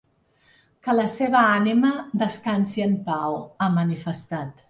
Que la seva ànima descansi en pau, ha manifestat.